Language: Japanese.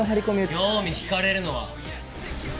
興味引かれるのは？